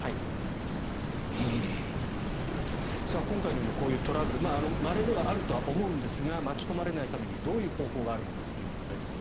今回のようなこういうトラブルまれではあると思うんですが巻き込まれないためにどういう方法があるのかということです。